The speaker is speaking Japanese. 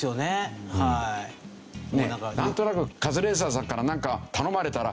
なんとなくカズレーザーさんからなんか。